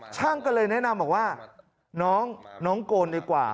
ช่างก็เลยแนะนำบอกว่าน้องโกนดีกว่า